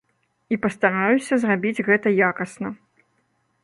І пастараюся зрабіць гэта якасна.